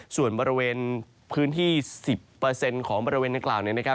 ส่วนบริเวณพื้นที่๑๐ของบริเวณดังกล่าวเนี่ยนะครับ